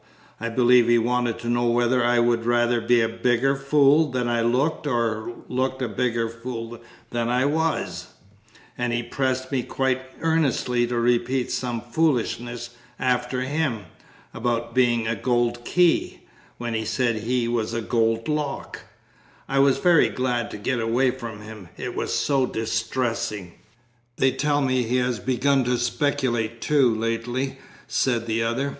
I believe he wanted to know whether I would rather be a bigger fool than I looked or look a bigger fool than I was, and he pressed me quite earnestly to repeat some foolishness after him, about 'being a gold key,' when he said 'he was a gold lock,' I was very glad to get away from him, it was so distressing." "They tell me he has begun to speculate, too, lately," said the other.